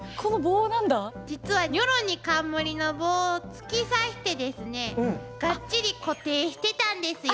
実はニョロに冠の棒を突き刺してですねがっちり固定してたんですよ。